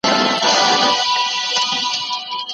اقتصادي ستونزي باید د څېړني اصلي خنډ ونه ګرځي.